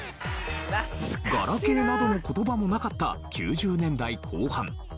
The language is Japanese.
ガラケーなどの言葉もなかった９０年代後半。